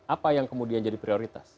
apa yang kemudian jadi prioritas